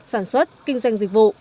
sản xuất kinh doanh dịch vụ